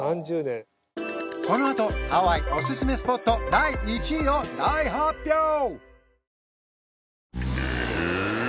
このあとハワイおすすめスポット第１位を大発表！